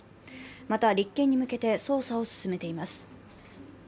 また、立件に向けて捜査を進めています。